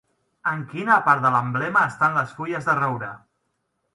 En quina part de l'emblema estan les fulles de roure?